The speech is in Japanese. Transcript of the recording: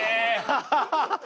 ハハハハ！